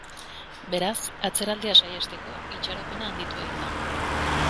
Beraz, atzeraldia saihesteko itxaropena handitu egin da.